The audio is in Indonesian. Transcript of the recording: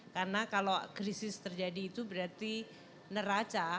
karena kalau krisis terjadi itu berarti neraca